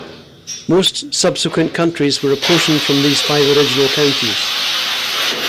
Most subsequent counties were apportioned from these five original counties.